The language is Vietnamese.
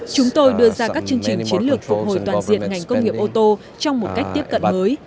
chúng tôi đưa ra các chương trình chiến lược phục hồi toàn diện ngành công nghiệp ô tô trong một cách tiếp cận mới